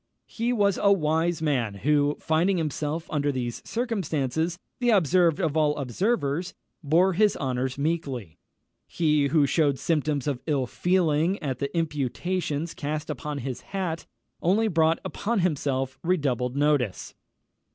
He was a wise man who, finding himself under these circumstances "the observed of all observers," bore his honours meekly. He who shewed symptoms of ill feeling at the imputations cast upon his hat, only brought upon himself redoubled notice.